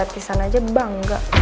kreatisan aja bangga